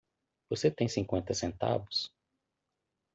Você tem cinquenta centavos?